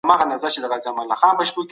حقوقپوهان د کډوالو په قانون کي څه بدلوي؟